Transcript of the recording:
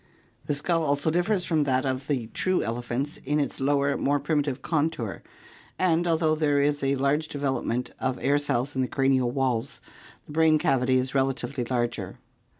The skull also differs from that of the true elephants in its lower, more primitive contour, and although there is a large development of air cells in the cranial walls, the brain cavity is relatively larger.